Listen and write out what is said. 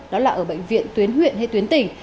đó là ở bệnh viện tuyến huyện hay tuyến tỉnh